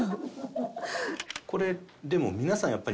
これでも皆さん